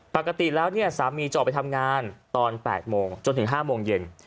ปกติแล้วเนี่ยสามีจะออกไปทำงานตอน๘โมงจนถึง๕โมงเย็น